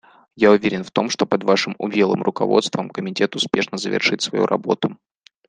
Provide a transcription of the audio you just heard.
Я уверен в том, что под Вашим умелым руководством Комитет успешно завершит свою работу.